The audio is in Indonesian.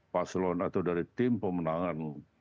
paslon atau dari tim pemenangan